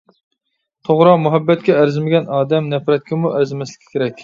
توغرا، مۇھەببەتكە ئەرزىمىگەن ئادەم نەپرەتكىمۇ ئەرزىمەسلىكى كېرەك.